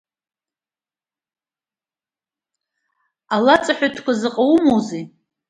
Ала ҵаҳәатәқәа заҟа умоузеи?